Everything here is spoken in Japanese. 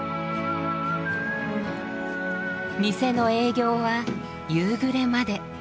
店の営業は夕暮れまで。